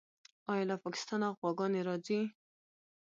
آیا له پاکستانه غواګانې راځي؟